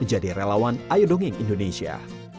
jadi relawan ayodonging indonesia